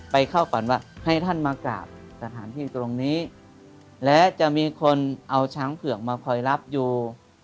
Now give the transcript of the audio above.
ไปเข้าก่อนว่าให้ท่านมากราบสถานที่ตรงนี้และจะมีคนเอาช้างเผือกมาคอยรับอยู่